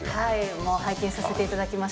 もう拝見させていただきまし